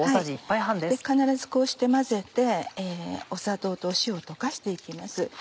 必ずこうして混ぜて砂糖と塩を溶かして行きます。